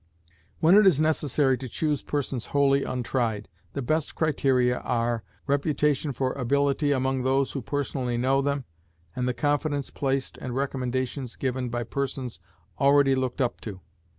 When it is necessary to choose persons wholly untried, the best criteria are, reputation for ability among those who personally know them, and the confidence placed and recommendations given by persons already looked up to.